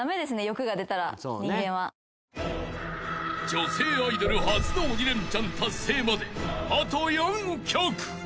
［女性アイドル初の鬼レンチャン達成まであと４曲］